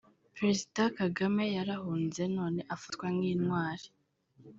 Perezida Kagame yarahunze none afatwa nk’intwari